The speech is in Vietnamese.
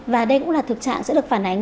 và đây cũng là thực trạng sẽ được phát triển